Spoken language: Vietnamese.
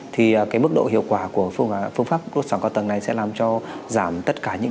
thì cái mức độ hiệu quả của phương pháp đốt sóng cao tầng này sẽ làm cho giảm tất cả những